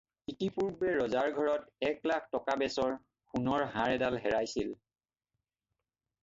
ইতিপূৰ্বে ৰজাৰ ঘৰত এক লাখ টকা বেচৰ সোণৰ হাৰ এডাল হেৰাইছিল।